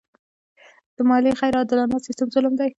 د مالیې غیر عادلانه سیستم ظلم دی.